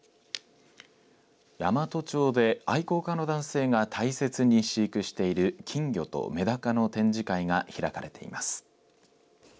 山都町で愛好家の男性が大切に飼育している金魚とメダカの展示会が開かれています。